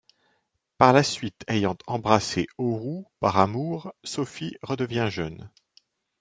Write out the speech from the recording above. Par la suite ayant embrassé Hauru, par amour, Sophie redevient jeune.